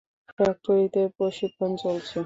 ফ্যাক্টরিতে প্রশিক্ষণ চলছে।